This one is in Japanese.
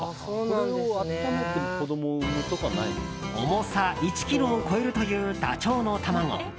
重さ１ｋｇを超えるというダチョウの卵。